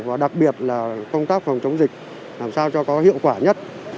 và đặc biệt là công tác phòng chống dịch làm sao cho có hiệu quả nhất